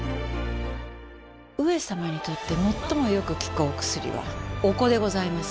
上様にとってもっともよく効くお薬はお子でございます。